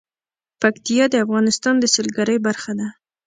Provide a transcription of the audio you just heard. پکتیا د افغانستان د سیلګرۍ برخه ده.